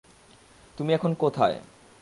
তুমি এখন কোথায়?